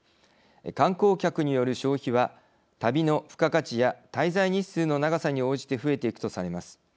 観光客による消費は旅の付加価値や滞在日数の長さに応じて増えていくとされます。